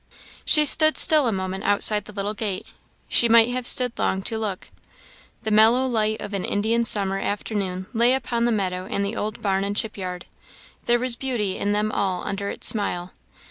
She stood still a moment outside the little gate. She might have stood long to look. The mellow light of an Indian summer afternoon lay upon the meadow and the old barn and chip yard; there was beauty in them all under its smile.